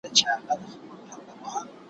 د وروستي عدالت کور د هغه ځای دئ